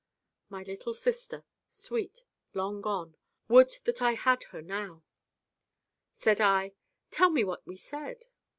My little sister sweet long gone Would that I had her now! Said I: 'Tell me what we said.